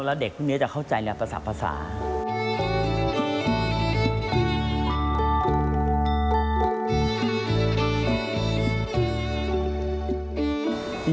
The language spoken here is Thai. แล้วเด็กพวกนี้จะเข้าใจในหลายประสาหค์